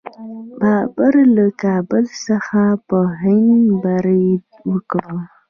بابر له کابل څخه په هند برید وکړ.